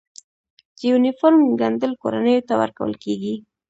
د یونیفورم ګنډل کورنیو ته ورکول کیږي؟